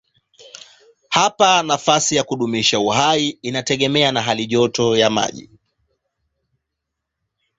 Hapa nafasi ya kudumisha uhai inategemea na halijoto ya maji.